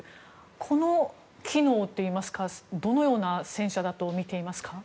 この機能というか、どのような戦車だとみていますか。